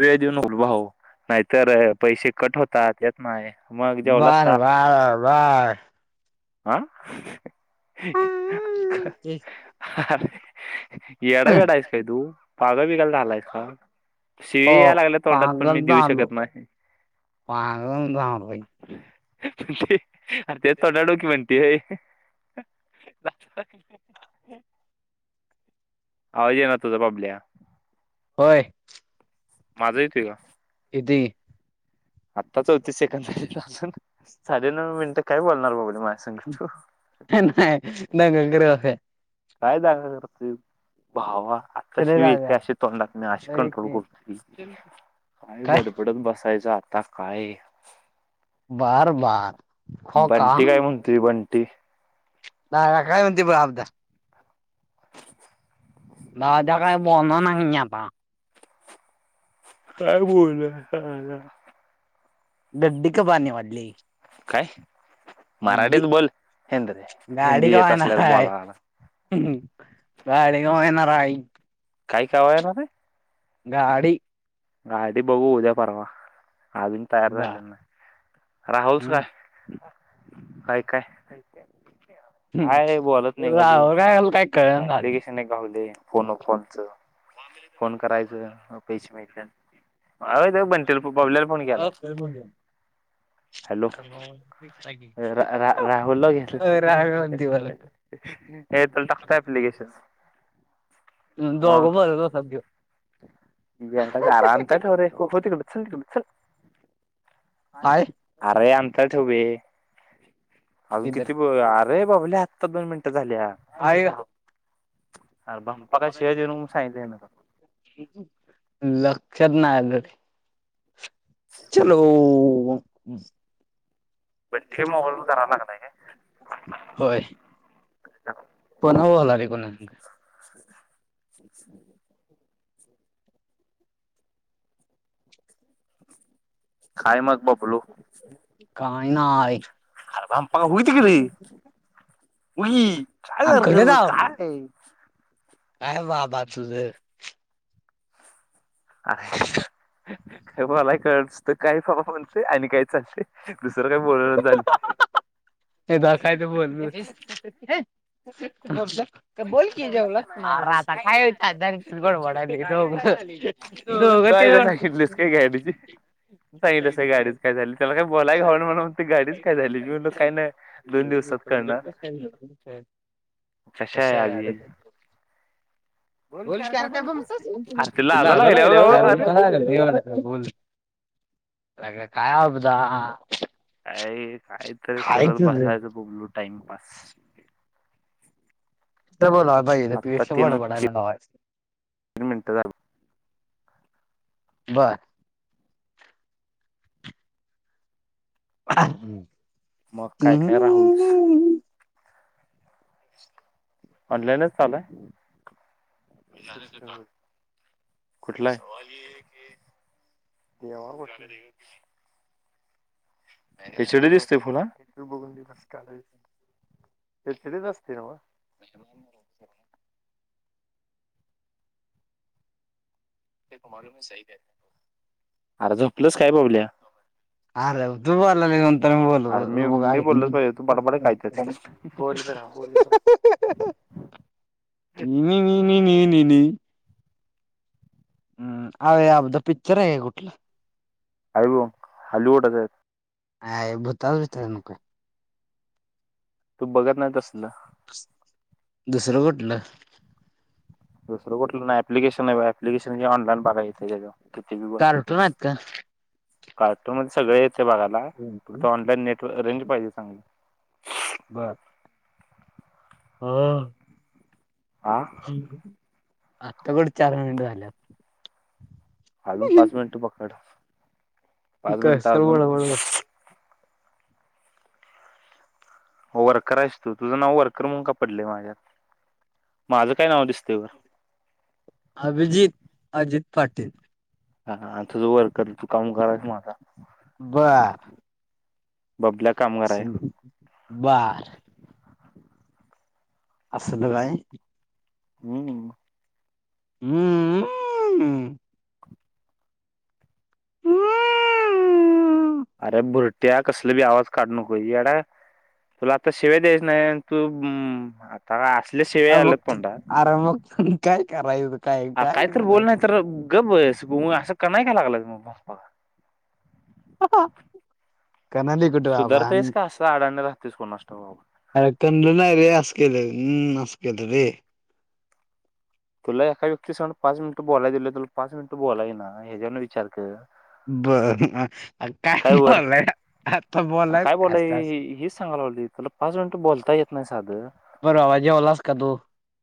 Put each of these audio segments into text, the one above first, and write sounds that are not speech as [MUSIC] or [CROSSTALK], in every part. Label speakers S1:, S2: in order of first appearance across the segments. S1: वेळ देऊन उलभ हो नाहीतर पैसे कट होतात येत नाय
S2: बर बर बर
S1: आा हह हाह हा येडा बिडा येस का तू पागल बिगल झालास का तू?
S2: हो
S1: शिवी याय लागल्या तोंडात पण मी
S2: पागल
S1: देऊ
S2: झालो
S1: शकत नाही
S2: [UNINTELLIGIBLE]
S1: णर ते थोडा डोक्य म्हेंट ते आवाज येईना तुझा बनल्या
S2: होय
S1: माझा येतोय का?
S2: ती
S1: आत्ता चौतीस सेकंडून साडेनऊ मिनिटं काय बोलणार बबले माझ
S2: नाय हह [UNINTELLIGIBLE]
S1: काय दाखव करते भावा आता
S2: चले
S1: शिवी येते
S2: जाऊया
S1: अशी तोंडात नाही अशी कंट्रोल करततो काय
S2: काय
S1: बडबडत बसायचं आता काय?
S2: बार बार
S1: बंटी काय म्हणतो बंटी?
S2: नाही काय म्हणती ब अबता [UNINTELLIGIBLE]
S1: काय बोलोल ह
S2: डॅडी कब आने वाली है
S1: काय मराठीत
S2: ग्डी
S1: बोल हेंद्रे
S2: गाडी
S1: हिंदी
S2: कवा
S1: येत
S2: येणार
S1: असल्यास
S2: हाय
S1: बोलायला
S2: हाह गाडी कवा येणार हाय
S1: काय कावं येणार रे ये?
S2: गाडी
S1: गाडी बघू उद्या परवा अजून तयार
S2: बर
S1: झाले ना राहुलच काय? हय काय - काय बोलत नाही कध
S2: राहुल काय काय कळना झाले
S1: ऍप्लिकेशन आहे काव फोन फोनच फोन करायचं पैसे मि अ बनते बबल्या ला फोन केला
S2: राहावे
S1: हॅलो रा राहुल ला घेतलं हा
S2: म्हणते मला.
S1: हा हा टाकतो एप्लिकेशन्स ह
S2: दोघ बोलत बसा की
S1: आराम आायवरे होत [UNINTELLIGIBLE] चल
S2: हाय
S1: अरे अंतर ठेव बे अज
S2: इधर
S1: किती अरे बाबले आत्ता दोन मिनटात
S2: आहेय का
S1: अरे भंपा काय शिवाजी म्हणून सांगितलंय ना
S2: [UNINTELLIGIBLE] [UNINTELLIGIBLE] चलो
S1: बंटी मोबाईल वर करायला लागलाय
S2: होय
S1: काय
S2: कोण हव हला आहे को ना
S1: णततथ काय मग बापलू
S2: काय नाय
S1: आ बा पाका होते गे रे उी काय सारखं काय
S2: आम आ बाचूझ
S1: मला कळचत काय फफ म्हस आणि काय चालु तुसर काही बोलण झालं
S2: हे दाखाय ते बोल बोल की जेवल म आता काय होण वडायला
S1: तयला सांगितलीस काय गाडीची सांगितच का गाडीच काय झाली त्याला बोलाय हो म्ह ती गाडीच काय झाली मी काही नाही दोन दिवसात करण कशा आहे आभी
S2: बोल
S1: बोलतेर
S2: की
S1: काय
S2: अरे
S1: बोलतो
S2: बोलतोस
S1: आरतीला आजा लागेल
S2: लाजायला
S1: हो ग अरे ह
S2: लागल्या हो बोल काय ह बताा
S1: काय कायतरी करत
S2: तर
S1: बसायचं बबलू टाइमपास
S2: बोलाई
S1: आत्ता
S2: प
S1: तीन
S2: बड बडालावा
S1: तीन मिनिटं झाली
S2: बर हम्
S1: मग काय काय राहुलच ऑनलाईनच चालय कुठलावाल यावष्ट एचडी दिसते फुन बघून दि ते तच असते ना म अर झपलच काय पाबल्या
S2: अरे तू बोलला नाही नंतर मी बोलू
S1: अरे मी
S2: बघा
S1: मी बोललच
S2: नि
S1: पाहिजे तू बडाबड कायत बोललीस
S2: तन न नि हम्म आ बा पिक्चर आहे कुठलं
S1: अरव हल्वटच
S2: हा बताव त्या न काय
S1: तू बघत नाही त असलं
S2: दुसरं कटलं
S1: दुसरं कुलं नाही ऍप्लिकशन आहे पलिकेशन हे ऑलान बघायचं त्याच्यावर
S2: कार उठ नात का
S1: कार्टोर मध्ये सगळे येत बघायला फ तर ऑनलाईन नेटव रेंज पाहिजे चांगली
S2: बर होा
S1: हा
S2: आता कडचारड झाला
S1: हालून पाच मिनटं पकड पाच
S2: का
S1: मिनिटं
S2: स
S1: अजून
S2: वळ वळ
S1: हो वर्कर आहे अस तू तुझं नाव वर्कर मण का पडले माझ्यात माझं काय नाव दिसत व
S2: अभिजित अजित पाटील
S1: हा आ तझू वर्क कर तू काम करायच माझा
S2: ब
S1: बबल्या कामगार आहे
S2: बर असश ब बाय
S1: हम्
S2: हम्म हम
S1: अरं भुरट्या कसलं बी आवाज काढ नको यडा तुला आता शिव्या द्यायच नाही तू अं आता अस
S2: [UNINTELLIGIBLE] अर मग ते काय करायचं? काय
S1: हां
S2: काय
S1: काही तर बोल
S2: करायचं
S1: नाही तर गप बस गुमा असं का नाहीय का लागलं [UNINTELLIGIBLE] पा.
S2: कणाली कुठे बाबा
S1: सुधारतायस का असं अडाणी राहतेस कुणास ठाऊक बाबा.
S2: अ [UNINTELLIGIBLE] नाही रे अस केलं हम्म असं केल रे!
S1: तुला एका व्यक्ती समोर पाच मिनिटं बोलाय दिलं तर पाच मिनटं बोलाय येईना ह्याच्यावरनं विचार कर.
S2: बर काय बोलाया.
S1: अग काय बोलाय ही-हीच सांगाय लागलोय तुला पाच मिनिट बोलता येत नाही साधं?
S2: बरं [UNINTELLIGIBLE] जेवलास का तू?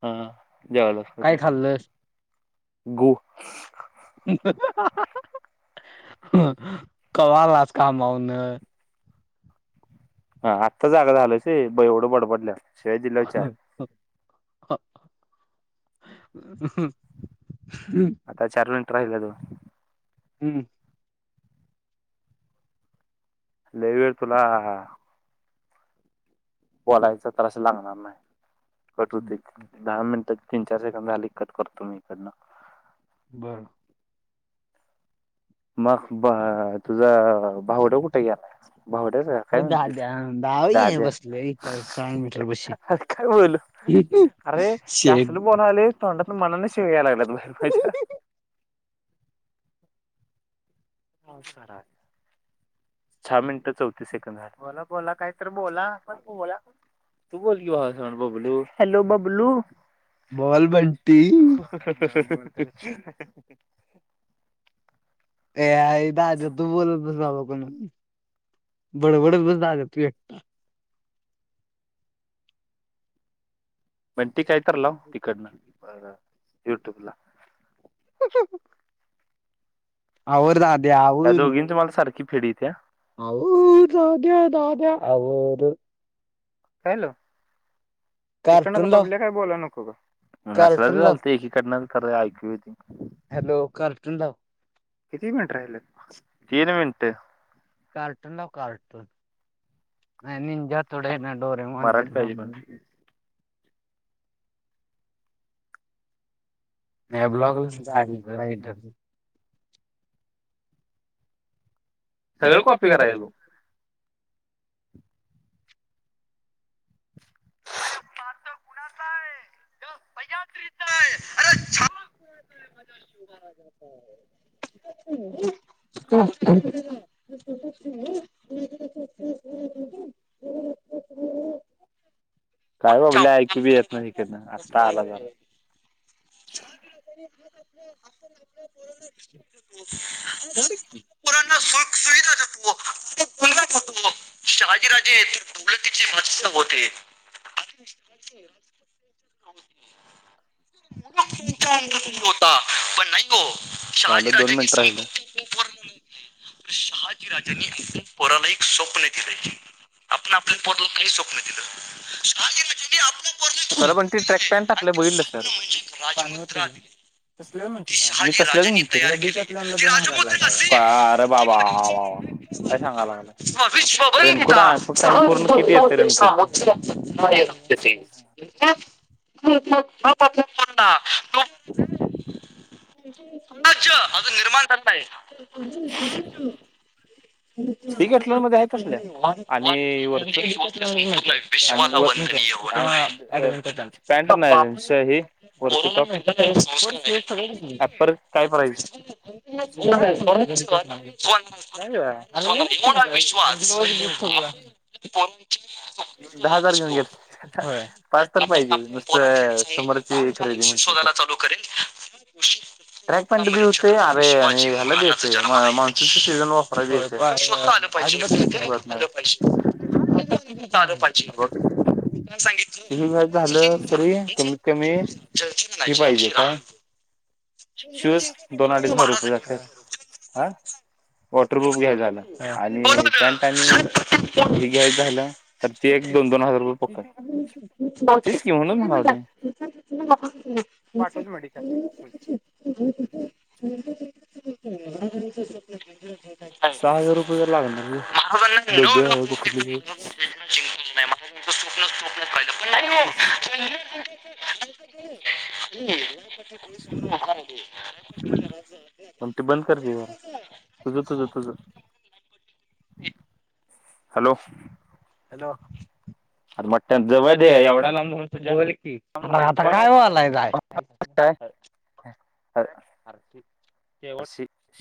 S1: हा जेवायलाच का
S2: काय
S1: तू
S2: खाल्लस?
S1: गु
S2: [UNINTELLIGIBLE] कवा आलास कामाऊनं?
S1: हा आत्ता जागा झालोसे? बे वढ बडबडल्या. शिवाय दिल्यावर चार
S2: [UNINTELLIGIBLE]
S1: आता चार मीनटं राहिल अजुन.
S2: हम्म
S1: लई वेळ तुला बोलायच तर असं लागणार नाही कट होते दहा मिनट तीन चारशे का मिळाली कट करतो मी इकडनं.
S2: बरं
S1: मग भ तुझा भाऊडा कुठे गेला? भावड्याचा काय
S2: हो दहा
S1: म्हणती
S2: द्या दहावी आहे
S1: दाद्या?
S2: बसले इथं सहा मीटर बशी
S1: काय बोलू? अरे कास्ल
S2: शेट
S1: बोलाले तोंडातून मनाने शिव्या यायला लागल्यात बाहेर माझ्या. [UNINTELLIGIBLE] चा मिनिटं चौतीस सेकंद झा बोला- बोला काय तर बोला पण बोला. तू बोल की भावासंग बबलू, हॅलो बबलू.
S2: बोल बंटी.
S1: [UNINTELLIGIBLE]
S2: एक दाद्या तू बोलत बस बाबा कोण, बडबडत बस दाद्या तू एकटा.
S1: पण ती काहीतर लाव तिकडनं, बरं युट्यूबला. आवर दाद्या आवर, त्या दोघींच मला सारखी फेडीत्या.
S2: आवर दाद्या-दाद्या आवरं.
S1: हॅलो तिकडंन का
S2: कार्टून लाव
S1: बाबल्या काय बोलना. हो का नसलं तर
S2: कार्टून लाव
S1: चालत एकीकडनं खरं ऐकु येती की.
S2: हॅलो कारटुन लाव.
S1: किती मिनिटं राहिल्यात? दीड मिनिट.
S2: कार्टून लाव कार्टून. नाही निनजा थोड येना
S1: मराठी पाहिजे पण
S2: डोरेमॉन-डोरेमॉन [UNINTELLIGIBLE] नाही ब्लॉगला [UNINTELLIGIBLE]
S1: सगळं कॉपी करायलो. पात कुणाचाय? द बजाओ क्लीप.
S2: आय अरे छा [UNINTELLIGIBLE] [UNINTELLIGIBLE] [UNINTELLIGIBLE] [UNINTELLIGIBLE]
S1: काय बाबुल्या ऐकू बी येत नाही ईकडंन आ
S2: काये
S1: [UNINTELLIGIBLE] जाऊ दे की
S2: [UNINTELLIGIBLE] शिवाजीराजे तर तूर्त्याची मस्तक होते. होता पण नाही ग शहाजी
S1: झालं दोन
S2: राजांनी
S1: मिनिटं
S2: संप
S1: राहिलं
S2: शहाजी. [INAUDIBLE] [UNINTELLIGIBLE] राज परालय [INAUDIBLE] स्वप्न दिलं आपण आपल्या पोटला काही स्वप्न दिलं [INAUDIBLE]
S1: चर पण ती ट्रॅक
S2: दिलंय
S1: पॅन्ट
S2: आणि
S1: टाकलं
S2: ते
S1: बघितलस का तू?
S2: स्वप्न म्हणजे एक
S1: तर
S2: राजमुद्रा
S1: म्हण मी तसलेच नाही
S2: शहाजीराजांनी तयार केली.
S1: दोन हजारला का अरे, बाबा! काय सांगा लागलं रेनकोट
S2: विश्वबंदिता
S1: सा पूर्ण किती येतं रेनकोटच. हो [INAUDIBLE]
S2: [UNINTELLIGIBLE]
S1: हम्...
S2: अच्छ अजून निर्माण करताय आहे.
S1: डिकॅथलॉन मध्ये आहेत तसल्या.
S2: ल
S1: आणि वरच आणि वर पॅन्ट
S2: बाप
S1: नाही श- हे वरच टॉप
S2: ब ते
S1: ॲपर काय प्राईस
S2: का राहि
S1: नाही
S2: [INAUDIBLE] [UNINTELLIGIBLE] [INAUDIBLE] विश्वास [INAUDIBLE] ो
S1: दहा हजार घेऊन गेल पाच तर पाहिजे नुसतं समोरची खरेदी म्हणू शकतो
S2: [UNINTELLIGIBLE] [INAUDIBLE] चालू करेल. [INAUDIBLE]
S1: ट्रॅक पॅन्ट बी होते अरे आणि
S2: शिवाजी
S1: ह्याला बी
S2: महाराज च
S1: येते
S2: जन्मला येणे.
S1: मान्सूनच्या सीझन
S2: [INAUDIBLE]
S1: वापरायला बी येते
S2: पैसे.
S1: होत
S2: ह
S1: नाही
S2: पाचज काय
S1: बघ
S2: सांगितलं
S1: किती घ्यायच
S2: चर्चेचा
S1: झालं तरी कमीत
S2: ना
S1: कमी
S2: विषय
S1: हे पाहिजे काय
S2: हा.
S1: शूज दोन अडीच हजार रुपये
S2: महाराजांनी
S1: जातात. वॉटरप्रुफ घ्याय झालं आणि पॅन्ट
S2: बोलावलं
S1: आणि हेि घ्यायच झालं तर त एक दोन. दोन हजार रुपये पक्का तेच घि म्हणायला पाठवतात म्हणतात ते.
S2: व [UNINTELLIGIBLE] [INAUDIBLE]
S1: सहा हजार रुपये तर लागणार हो
S2: मन ना
S1: दोन दोन हजार पकडले
S2: [INAUDIBLE] प्पच पाहिलं पण नाही हो [INAUDIBLE] [UNINTELLIGIBLE] हम्. समोर [INAUDIBLE]
S1: त जतो जतो घेऊ मग. हॅलो! हॅलो! अरे पट्ट्या जवळ दे एवढला.
S2: आता काय व्हायलाय काय
S1: [UNINTELLIGIBLE] [INAUDIBLE]
S2: तेवट.
S1: अशी